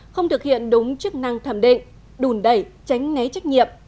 không thực hiện đúng chức năng thẩm định đùn đẩy tránh né trách nhiệm